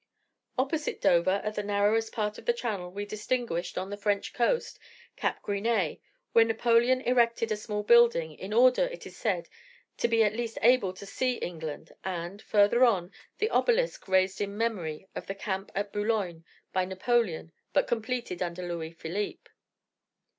Opposite Dover, at the narrowest part of the channel, we distinguished, on the French coast, Cape Grisnez, where Napoleon erected a small building, in order, it is said, to be at least able to see England; and, further on, the obelisk raised in memory of the camp at Boulogne, by Napoleon, but completed under Louis Philippe.